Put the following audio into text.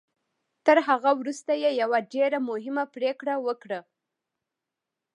تر هغه وروسته يې يوه ډېره مهمه پريکړه وکړه.